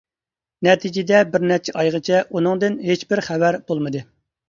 نەتىجىدە بىرنەچچە ئايغىچە ئۇنىڭدىن ھېچبىر خەۋەر بولمىدى.